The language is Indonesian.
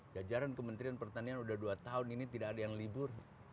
jajaran kementerian pertanian sudah dua tahun ini tidak ada yang libur